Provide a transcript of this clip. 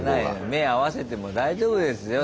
目合わせても大丈夫ですよ